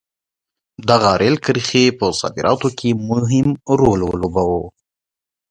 دغې رېل کرښې په صادراتو کې مهم رول ولوباوه.